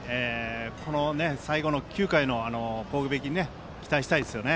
最後の９回の攻撃期待したいですよね。